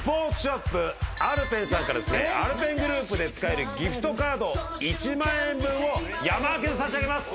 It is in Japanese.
アルペンさんからアルペングループで使えるギフトカード１万円分を山分けで差し上げます。